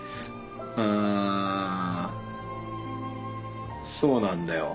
うんそうなんだよ。